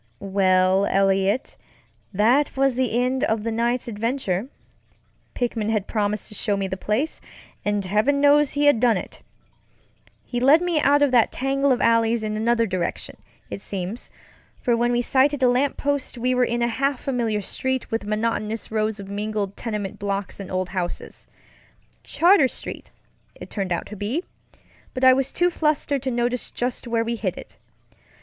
Well, Eliot, that was the end of the night's adventure. Pickman had promised to show me the place, and heaven knows he had done it. He led me out of that tangle of alleys in another direction, it seems, for when we sighted a lamp post we were in a half familiar street with monotonous rows of mingled tenement blocks and old houses. Charter Street, it turned out to be, but I was too flustered to notice just where we hit it.